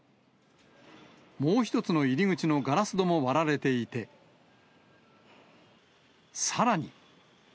もう一つの入り口のガラス戸も割られていて、さらに。